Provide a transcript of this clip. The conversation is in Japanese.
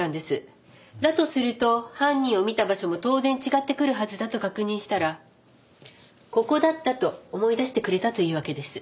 だとすると犯人を見た場所も当然違ってくるはずだと確認したらここだったと思い出してくれたというわけです。